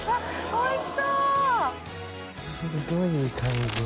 おいしそう。